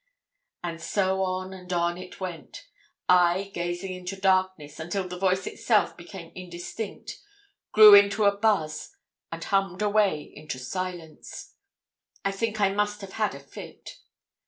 And so on and on it went, I gazing into darkness, until the voice itself became indistinct, grew into a buzz, and hummed away into silence. I think I must have had a fit.